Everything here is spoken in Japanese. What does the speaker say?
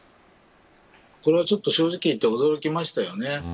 これは、ちょっと正直言って驚きましたよね。